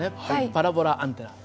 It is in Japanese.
パラボラアンテナ。